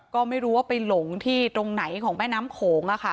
ก็ไม่รู้ว่าไปหลงที่ตรงไหนของแม่น้ำโขง